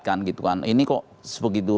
kan gitu kan ini kok sebegitu